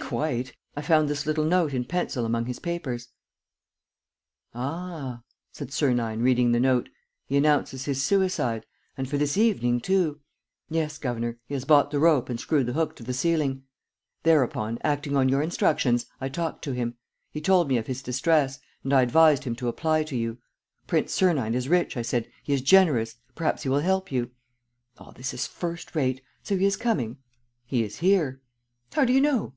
"Quite. I found this little note in pencil among his papers." "Ah!" said Sernine, reading the note. "He announces his suicide ... and for this evening too!" "Yes, governor, he has bought the rope and screwed the hook to the ceiling. Thereupon, acting on your instructions, I talked to him. He told me of his distress, and I advised him to apply to you: 'Prince Sernine is rich,' I said; 'he is generous; perhaps he will help you.'" "All this is first rate. So he is coming?" "He is here." "How do you know?"